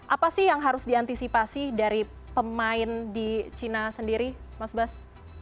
apa sih yang harus diantisipasi dari pemain di china sendiri mas bas